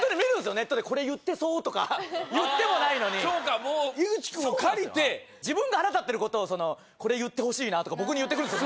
ネットで「これ言ってそう」とか言ってもないのにそうかもう井口君を借りて自分が腹立ってることを「これ言ってほしいな」とか僕に言ってくるんですよ